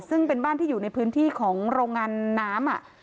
ซึ่งเป็นบ้านที่อยู่ในพื้นที่ของโรงงานน้ำ